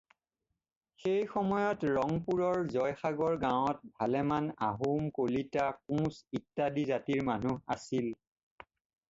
এই সময়ত ৰংপুৰৰ জয়সাগৰ গাঁৱত ভালেমান আহােম, কলিতা, কোঁচ ইত্যাদি জাতিৰ মানুহ আছিল।